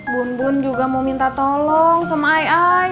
bun bun juga mau minta tolong sama ai